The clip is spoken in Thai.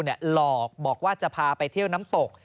หลอกบอกว่าจะพาไปเที่ยวน้ำตก